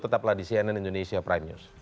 tetaplah di cnn indonesia prime news